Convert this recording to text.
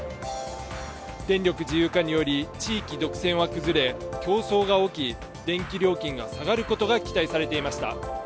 電力自由化により地域独占は崩れ競争が起き電気料金が下がることが期待されていました。